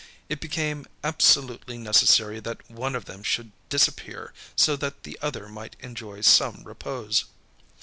It became absolutely necessary that one of them should disappear so that the other might enjoy some repose.